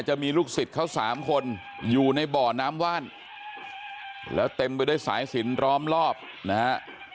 จะมีลูกศิษย์เขาสามคนอยู่ในบ่อน้ำว่านแล้วเต็มไปด้วยสายสินล้อมรอบนะฮะ